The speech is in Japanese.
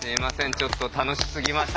ちょっと楽しすぎました